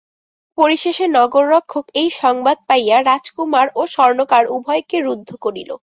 পরিশেষে নগররক্ষক এই সংবাদ পাইয়া রাজকুমার ও স্বর্ণকার উভয়কে রুদ্ধ করিল।